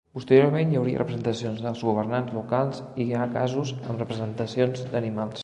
Posteriorment hi hauria representacions dels governants locals i hi ha casos amb representacions d'animals.